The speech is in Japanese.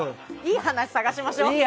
いい話、探しましょ。